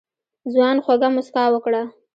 ځوان خوږه موسکا وکړه.